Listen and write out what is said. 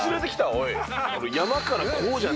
おい。